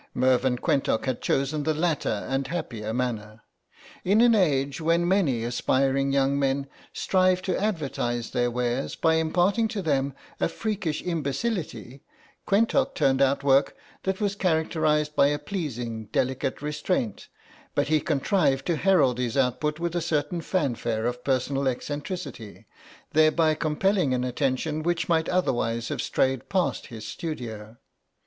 Mervyn Quentock had chosen the latter and happier manner. In an age when many aspiring young men strive to advertise their wares by imparting to them a freakish imbecility, Quentock turned out work that was characterised by a pleasing delicate restraint, but he contrived to herald his output with a certain fanfare of personal eccentricity, thereby compelling an attention which might otherwise have strayed past his studio.